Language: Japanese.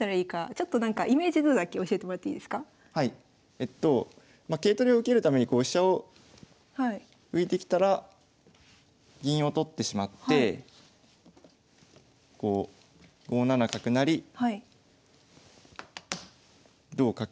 えっと桂取りを受けるためにこう飛車を浮いてきたら銀を取ってしまってこう５七角成同角。